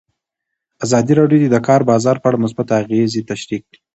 ازادي راډیو د د کار بازار په اړه مثبت اغېزې تشریح کړي.